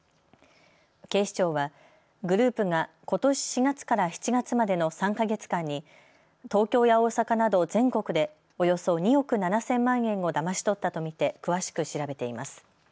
警視庁はグループがことし４月から７月までの３か月間に東京や大阪など全国でおよそ２億７０００万円をだまし取ったと見て詳しく調べています。